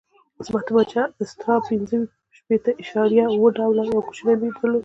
زما تومانچه استرا پنځه شپېته اعشاریه اوه ډوله یو کوچنی میل درلود.